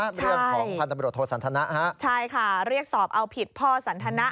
เรื่องของพันธบรวโทษสันทนะใช่ค่ะเรียกสอบเอาผิดพ่อสันทนะ